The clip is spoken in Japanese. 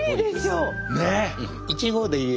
ねえ！